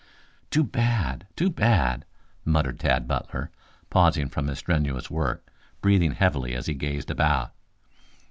"Too bad, too bad!" muttered Tad Butler, pausing from his strenuous work, breathing heavily as he gazed about.